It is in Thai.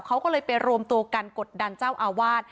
เขาก็เลยไปรวมตัวกันกดดันเจ้าอาวาส